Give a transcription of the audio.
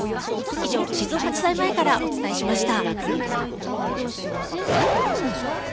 以上、静岡地裁前からお伝えしました。